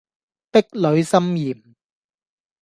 壁壘森嚴